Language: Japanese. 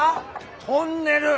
トンネル。